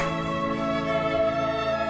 tak ada pula ada